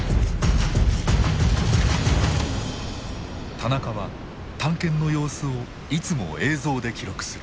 田中は探検の様子をいつも映像で記録する。